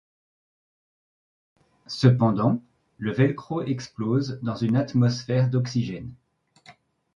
Cependant, le Velcro explose dans une atmosphère d'oxygène!